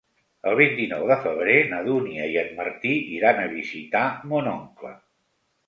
El vint-i-nou de febrer na Dúnia i en Martí iran a visitar mon oncle.